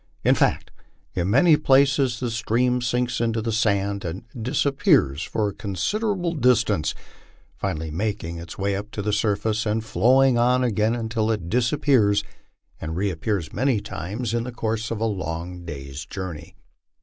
In fact, in many places the stream sinks into the sand and disappears for a considerable distance, finally making its way up to the surface and flowing on until it again disappears and reap pears many times in the course of a long day's journey.